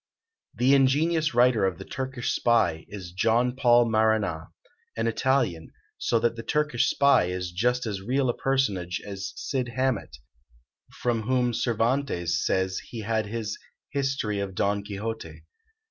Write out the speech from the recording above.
The ingenious writer of the Turkish Spy is John Paul Marana, an Italian; so that the Turkish Spy is just as real a personage as Cid Hamet, from whom Cervantes says he had his "History of Don Quixote."